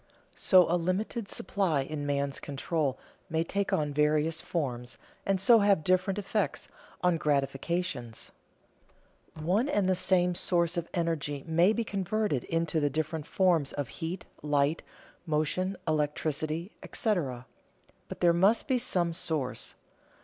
So a limited supply in man's control may take on various forms and so have different effects on gratifications. One and the same source of energy may be converted into the different forms of heat, light, motion, electricity, etc. But there must be some source.